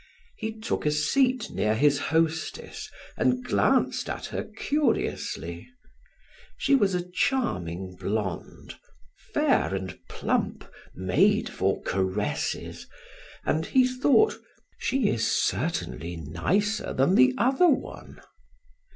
He took a seat near his hostess and glanced at her curiously; she was a charming blonde, fair and plump, made for caresses, and he thought: "She is certainly nicer than the other one."